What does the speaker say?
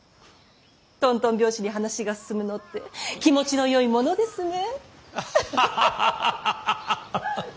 とんとん拍子に話が進むのって気持ちのよいものですね。